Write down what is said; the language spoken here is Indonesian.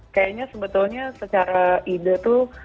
kayaknya sebetulnya secara ide tuh